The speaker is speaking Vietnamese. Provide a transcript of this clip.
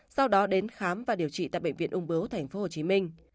sau đó đến khám và điều trị tại bệnh viện ung bướu tp hcm